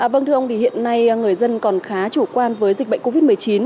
vâng thưa ông thì hiện nay người dân còn khá chủ quan với dịch bệnh covid một mươi chín